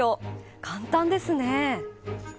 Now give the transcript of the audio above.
簡単ですね。